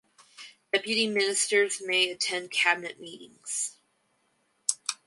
Deputy ministers may attend cabinet meetings.